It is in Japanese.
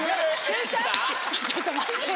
ちょっと待ってよ。